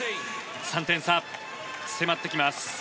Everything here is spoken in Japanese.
３点差、迫ってきます。